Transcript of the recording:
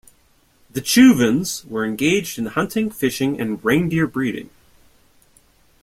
The Chuvans were engaged in hunting, fishing and reindeer-breeding.